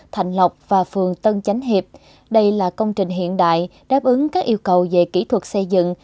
thạnh lộc và phường tân chánh hiệp đây là công trình hiện đại đáp ứng các yêu cầu về kỹ thuật xây dựng